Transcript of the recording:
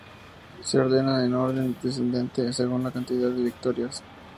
Se ordenan en orden descendente según la cantidad de victorias.